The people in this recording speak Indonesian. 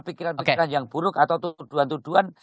pikiran pikiran yang buruk atau tuduhan tuduhan